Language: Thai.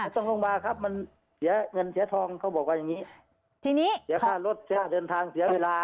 ต้องลงมาครับมันเสียเงินเสียทองเขาบอกว่าอย่างงี้ทีนี้เสียค่ารถเสียค่าเดินทางเสียเวลา